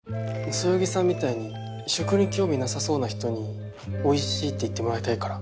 そよぎさんみたいに食に興味なさそうな人に「おいしい」って言ってもらいたいから。